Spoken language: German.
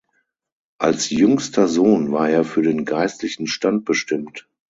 Als jüngster Sohn war er für den geistlichen Stand bestimmt.